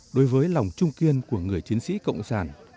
đối với lòng trung kiên của người chiến sĩ cộng sản